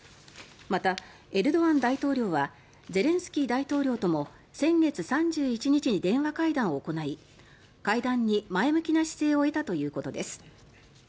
また、エルドアン大統領はゼレンスキー大統領とも先月３１日に電話会談を行い会談に前向きな姿勢を得たということです。